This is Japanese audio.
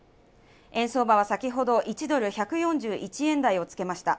円相場は先ほど１ドル＝１４１円台をつけました。